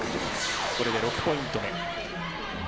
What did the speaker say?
これで６ポイント目。